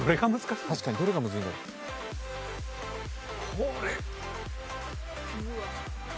これ。